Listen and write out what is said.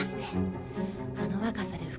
あの若さで府